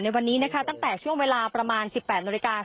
ในวันนี้นะคะตั้งแต่ช่วงเวลาประมาณ๑๘นาฬิกา